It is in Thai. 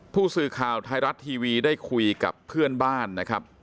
ผู้สื่อข่าวไทยรัฐทีวีได้คุยกับเพื่อนบ้านนะครับ